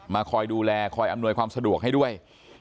คอยดูแลคอยอำนวยความสะดวกให้ด้วย